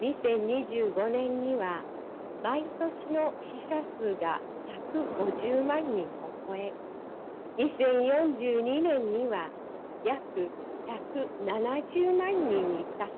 ２０２５年には毎年の死者数が１５０万人を超え２０４２年には約１７０万人に達するとの予測がございます。